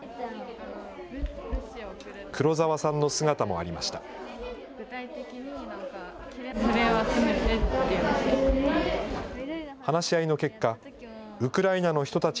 黒澤さんの姿もありました。